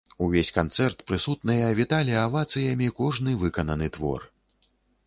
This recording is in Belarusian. Увесь канцэрт прысутныя віталі авацыямі кожны выкананы твор.